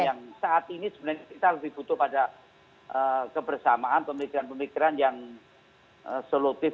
yang saat ini sebenarnya kita lebih butuh pada kebersamaan pemikiran pemikiran yang solutif